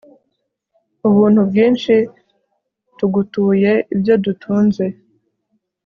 ubuntu bwinshi, tugutuye ibyo dutunze